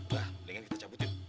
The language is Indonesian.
wah dengan kita cabut yuk